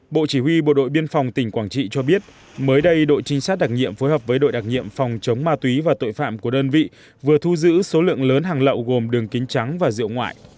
bộ chỉ huy bộ đội biên phòng tỉnh quảng trị cho biết mới đây đội trinh sát đặc nhiệm phối hợp với đội đặc nhiệm phòng chống ma túy và tội phạm của đơn vị vừa thu giữ số lượng lớn hàng lậu gồm đường kính trắng và rượu ngoại